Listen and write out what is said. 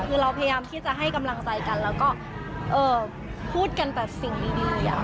คือเราพยายามที่จะให้กำลังใจกันแล้วก็พูดกันแต่สิ่งดี